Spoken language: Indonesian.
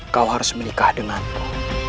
kau harus menikah denganku